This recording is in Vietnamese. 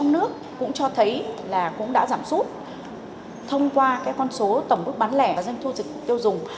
đấy là cũng đã giảm sút thông qua cái con số tổng mức bán lẻ và doanh thu dịch tiêu dùng